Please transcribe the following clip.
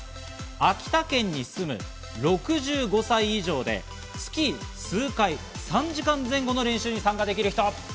秋田県に住む６５歳以上で、月数回３時間前後の練習に参加できる人。